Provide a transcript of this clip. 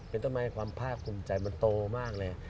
เป็นต้นไม้ความภาคภูมิใจมันโตมากเลย